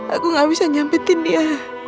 aku gak bisa nyampetin dia